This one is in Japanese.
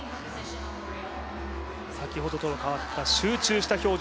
先ほどとは変わった集中した表情。